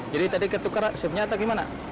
jadi tadi ketukar subnya atau gimana